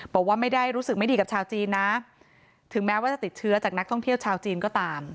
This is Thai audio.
บอกว่าไม่ได้รู้สึกไม่ดีกับชาวจีนนะถึงแม้ว่าจะติดเชื้อจากนักท่องเที่ยวชาวจีนก็ตาม